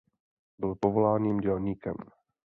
Byl povoláním dělníkem.